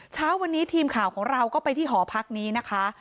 เช้าวันนี้ทีมข่าวของเราก็ไปที่หอพักนี้นะคะ